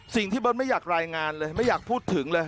สิ่งที่บ้านไม่อยากรายงานเลยไม่อยากพูดถึงเลย